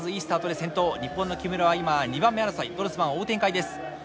日本の木村は今２番目争いドルスマンを追う展開です。